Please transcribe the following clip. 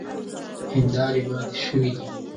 هیندارې ماتې شوې دي.